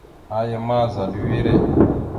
Aya ma, zal a wire.